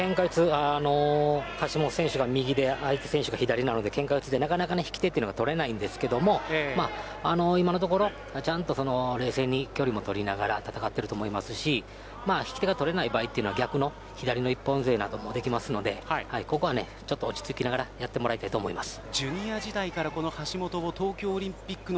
橋本選手が右で相手選手が左なのでけんか四つで、なかなか引き手がとれないんですが今のところ、ちゃんと冷静に距離もとりながら戦っていると思いますし引き手が取れない場合は逆の左の一本背負いなどもできますのでここは落ち着きながらやってもらいたいと思います。